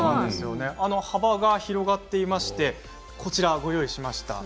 幅が広がっていましてこちらにご用意しました。